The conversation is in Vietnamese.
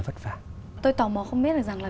vất vả tôi tò mò không biết là rằng là